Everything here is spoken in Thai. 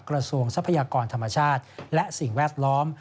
ทรัพยากรธรรมชาติและสิ่งแวดล้อม